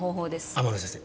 天野先生